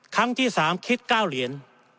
ครั้งที่๓คิด๙เหรียญ